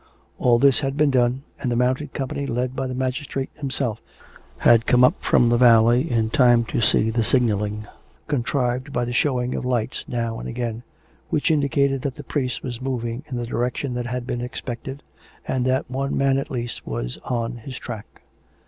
All this had been done, and the mounted company, led by the magistrate himself, had come up from the valley in time to see the signalling from the heights (contrived by the showing of lights now and again), which indicated that the priest was moving in the direction that had been expected, and that one man at least was on his track.